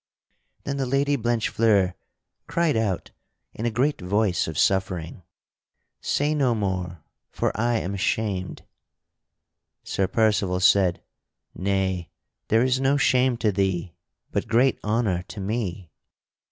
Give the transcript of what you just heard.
Then the Lady Blanchefleur cried out in a great voice of suffering: "Say no more, for I am ashamed." Sir Percival said: "Nay, there is no shame to thee, but great honor to me."